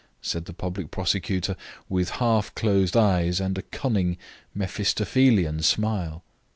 said the public prosecutor, with half closed eyes and a cunning, Mephistophelian smile.